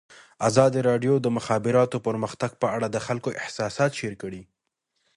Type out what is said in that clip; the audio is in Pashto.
ازادي راډیو د د مخابراتو پرمختګ په اړه د خلکو احساسات شریک کړي.